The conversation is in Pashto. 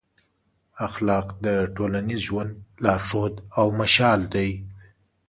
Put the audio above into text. اخلاق د ټولنیز ژوند لارښود او مشال دی.